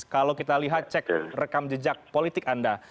kalau kita lihat cek rekam jejak politik anda